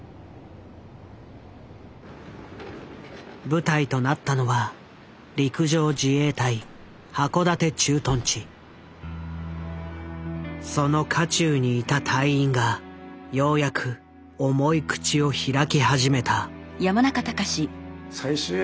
舞台となったのはその渦中にいた隊員がようやく重い口を開き始めた。